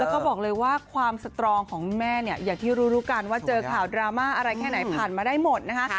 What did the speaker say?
แล้วก็บอกเลยว่าความสตรองของคุณแม่เนี่ยอย่างที่รู้รู้กันว่าเจอข่าวดราม่าอะไรแค่ไหนผ่านมาได้หมดนะคะ